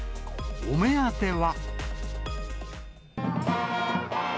お目当ては。